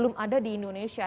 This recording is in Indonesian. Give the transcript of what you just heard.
belum ada di indonesia